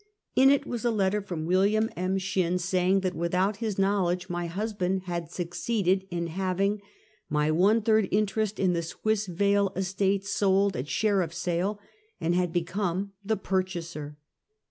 In it was a letter from William M. Shinu, saying that without his knowledge, my husband had succeeded in having my one third interest in the Swissvale estate sold at sher iff's sale, and had become the purchaser.